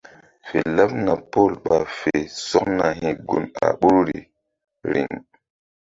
Fe laɓna Pɔl ɓa fe sɔkna hi̧ gun a ɓoruri riŋ.